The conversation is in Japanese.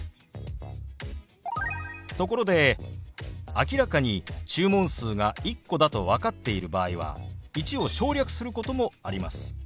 ところで明らかに注文数が１個だと分かっている場合は「１」を省略することもあります。